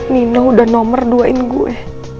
nino udah nomor duain gue